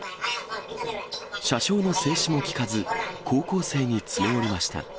車掌の制止も聞かず、高校生に詰め寄りました。